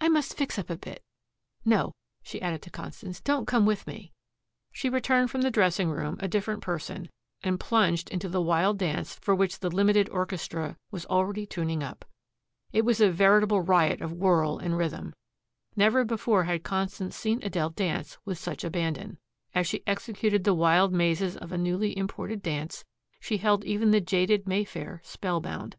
"I must fix up a bit. No," she added to Constance, "don't come with me." She returned from the dressing room a different person, and plunged into the wild dance for which the limited orchestra was already tuning up. It was a veritable riot of whirl and rhythm. Never before had Constance seen Adele dance with such abandon. As she executed the wild mazes of a newly imported dance, she held even the jaded Mayfair spellbound.